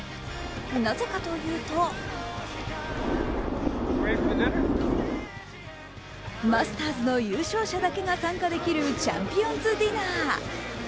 なぜかというとマスターズの優勝者だけが参加できるチャンピオンズディナー。